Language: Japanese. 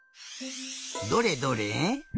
どれどれ。